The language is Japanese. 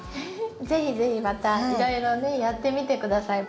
是非是非またいろいろねやってみて下さい。